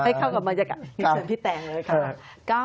ให้เข้ากลับมาอย่างเชิญพี่แตงเลยครับ